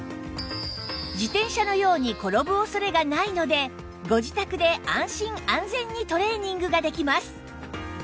自転車のように転ぶ恐れがないのでご自宅で安心安全にトレーニングができます